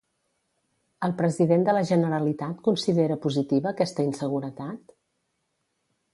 El president de la Generalitat considera positiva aquesta inseguretat?